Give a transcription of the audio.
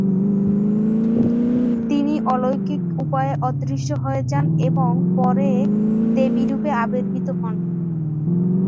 তিনি অলৌকিক উপায়ে অদৃশ্য হয়ে যান এবং পরে দেবী রূপে আবির্ভূত হন।